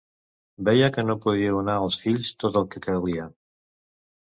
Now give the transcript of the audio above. Veia que no podia donar als fills tot el que calia.